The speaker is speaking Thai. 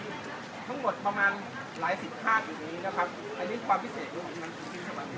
ถ้าตังเกตวิวนี่ไงก็เหมือนรู้เลยครับ